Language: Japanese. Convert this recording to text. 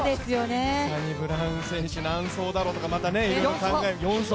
サニブラウン選手、何走だろうとかまたいろいろ考える、４走？